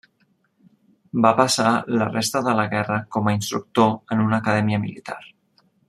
Va passar la resta de la guerra com a instructor en una acadèmia militar.